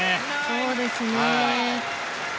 そうですね。